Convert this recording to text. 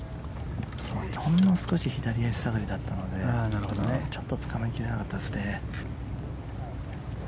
ほんの少し左足下がりだったのでちょっとつかみ切れなかったですね。